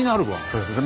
そうですね。